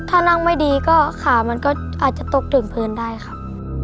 ถ้านั่งไม่ดีก็ขามันก็อาจจะตกถึงพื้นได้ครับ